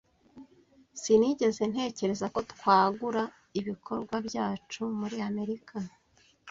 Sinigeze ntekereza ko twagura ibikorwa byacu muri Amerika